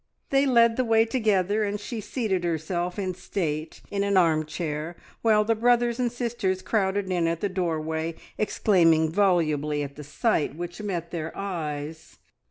They led the way together, and she seated herself in state in an arm chair, while the brothers and sisters crowded in at the doorway, exclaiming volubly at the sight which met their eyes.